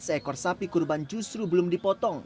seekor sapi kurban justru belum dipotong